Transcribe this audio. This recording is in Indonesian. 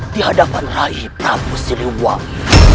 dihadapan rakyat rakyat siluwang